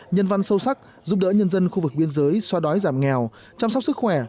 nhân văn sâu sắc giúp đỡ nhân dân khu vực biên giới xóa đói giảm nghèo chăm sóc sức khỏe